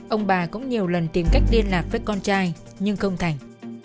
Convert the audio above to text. ông bà cũng nhiều lần tìm cách liên lạc với con trai nhưng không thành